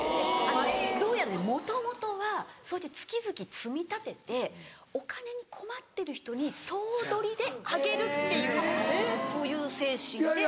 どうやらもともとはそうして月々積み立ててお金に困ってる人に総取りであげるっていうそういう精神で始まってる。